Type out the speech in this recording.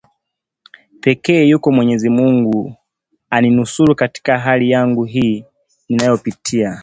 pekee yako mwenyezi Mungu uninusuru katika hali yangu hii ninayoipitia